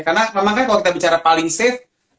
karena memang kan kalau kita bicara paling safe